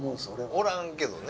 おらんけどね